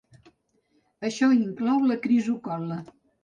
Això inclou la crisocol·la.